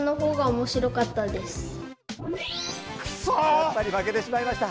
やっぱり負けてしまいました。